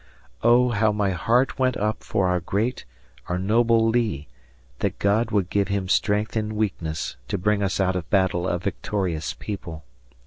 Oh, how my heart went up for our great, our noble Lee, that God would give him strength in weakness to bring us out of battle a victorious people.